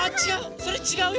それちがうよ！